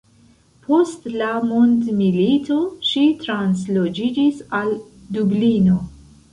Post la mondmilito, ŝi transloĝiĝis al Dublino.